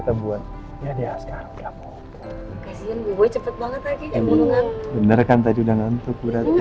ngurungan benerkan tadi udah ngantuk berarti